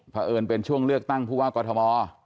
เพราะเอิญเป็นช่วงเลือกตั้งผู้ว่ากอทม